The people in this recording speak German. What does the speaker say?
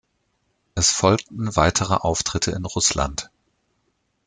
Es folgten weitere Auftritte in Russland.